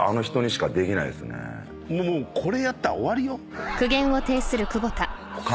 もうこれやったら終わりよ。